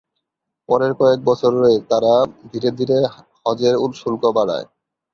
পরের কয়েক বছরে তারা ধীরে ধীরে হজের শুল্ক বাড়ায়।